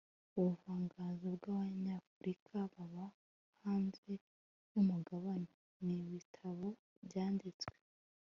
ubuvanganzo bwabanyafurika baba hanze yumugabane? nibitabo byanditswe